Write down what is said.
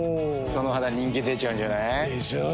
その肌人気出ちゃうんじゃない？でしょう。